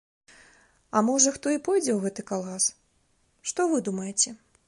А можа, хто і пойдзе ў гэты калгас, што вы думаеце?